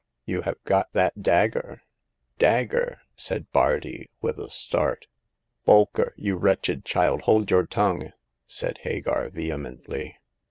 " You have got that dagger ?"Dagger !" said Bardi, with a start. " Bolker, you wretched child, hold your tongue !" said Hagar, vehemently.